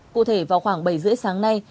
cụ thể vào khoảng bảy h ba mươi sáng nay